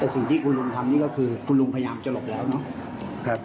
แต่สิ่งที่คุณลุงทำนี่ก็คือคุณลุงพยายามจะหลบแล้วเนาะ